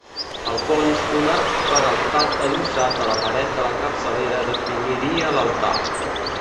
Al fons, un arc peraltat adossat a la paret de la capçalera definiria l'altar.